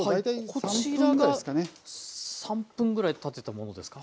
こちらが３分ぐらい立てたものですか。